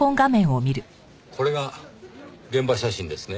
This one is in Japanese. これが現場写真ですね？